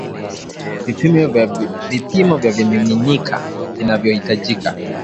vipimo vya vimiminika vinavyohitajika